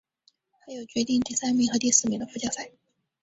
还有决定第三名和第四名的附加赛。